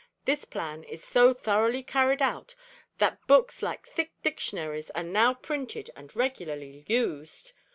This plan is so thoroughly carried out that books like thick dictionaries are now printed and regularly used.